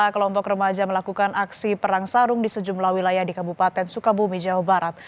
kelompok remaja melakukan aksi perang sarung di sejumlah wilayah di kabupaten sukabumi jawa barat